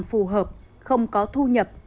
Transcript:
không tìm được việc làm phù hợp không có thu nhập